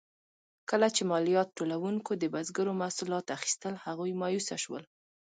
کله چې مالیات ټولونکو د بزګرو محصولات اخیستل، هغوی مایوسه شول.